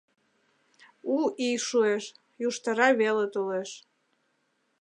У ий шуэш, южтара веле толеш.